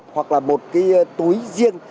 hoặc là một cái túi riêng